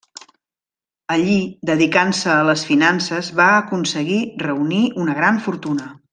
Allí, dedicant-se a les finances, va aconseguir reunir una gran fortuna.